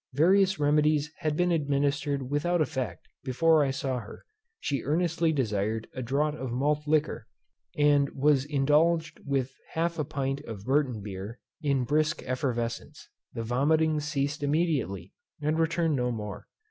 Various remedies had been administered without effect, before I saw her. She earnestly desired a draught of malt liquor, and was indulged with half a pint of Burton beer in brisk effervescence. The vomitings ceased immediately, and returned no more.